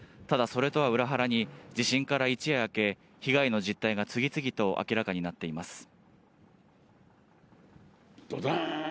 ただそれとは裏腹に、地震から一夜明け、被害の実態が次々と明らかになっています。